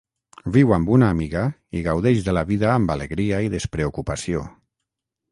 Viu amb una amiga i gaudeix de la vida amb alegria i despreocupació.